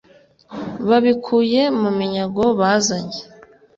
babikuye mu minyago bazanye